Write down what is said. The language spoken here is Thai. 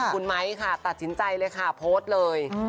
คุณไม้ค่ะตัดสินใจเลยค่ะโพสต์เลย